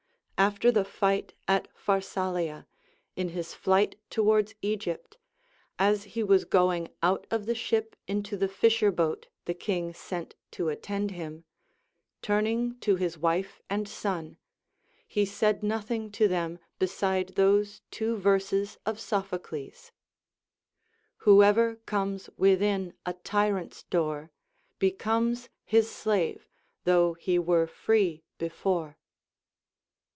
After the fight at Pharsalia, in his flight towards Egypt, as he Avas going out of the ship into the fisher boat the kins sent to attend him, turning to his wife and son, he said nothing to them beside those two verses of Sophocles : Wl)oever comes within a tyrant's door Becomes his shive, though he were free before.